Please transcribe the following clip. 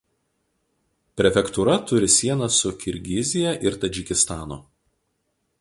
Prefektūra turi sienas su Kirgizija ir Tadžikistanu.